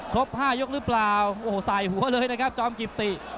๕ยกหรือเปล่าโอ้โหใส่หัวเลยนะครับจอมกิติ